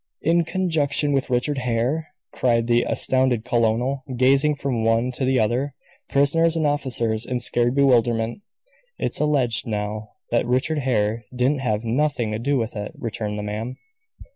"In conjunction with Richard Hare?" cried the astounded colonel, gazing from one to the other, prisoners and officers, in scared bewilderment. "It's alleged now that Richard Hare didn't have nothing to do with it," returned the man.